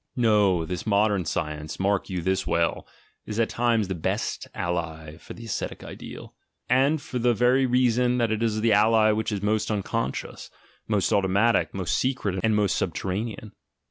No! this "modern science" — mark you this well — is at times the best ally for the ascetic ideal, and for the very reason that it is the ally which is most unconscious, most automatic, most secret, and most subterranean!